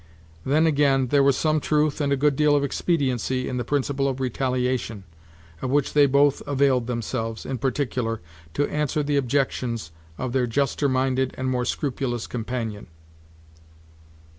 Then, again, there was some truth, and a good deal of expediency, in the principle of retaliation, of which they both availed themselves, in particular, to answer the objections of their juster minded and more scrupulous companion.